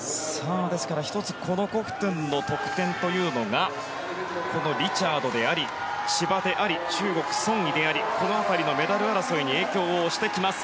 このコフトゥンの得点というのがこのリチャードであり千葉であり中国、ソン・イでありこの辺りのメダル争いに影響をしてきます。